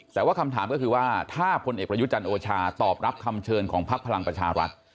แต่ว่าคำถามก็คือว่าถ้าพลเอกประยุทธ์จันทร์โอชาตอบรับคำเชิญของพักพลังประชารัฐ